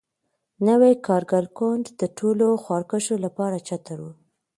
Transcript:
نوی کارګر ګوند د ټولو خواریکښو لپاره چتر وي.